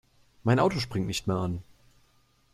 Mein Auto springt nicht mehr an.